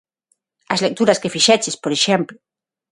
As lecturas que fixeches, por exemplo.